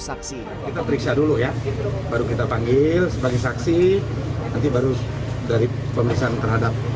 saksi kita periksa dulu ya baru kita panggil sebagai saksi nanti baru dari pemeriksaan terhadap